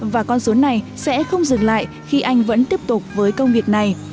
và con số này sẽ không dừng lại khi anh vẫn tiếp tục với công việc này